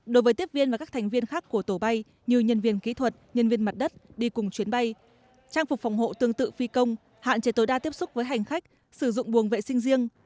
đối với tiếp viên và các thành viên khác của tổ bay như nhân viên kỹ thuật nhân viên mặt đất đi cùng chuyến bay trang phục phòng hộ tương tự phi công hạn chế tối đa tiếp xúc với hành khách sử dụng buồng vệ sinh riêng